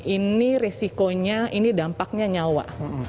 ini risikonya ini dampaknya nyawa